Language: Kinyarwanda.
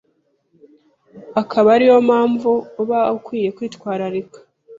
akaba ariyo mpamvu uba ukwiye kwitwararika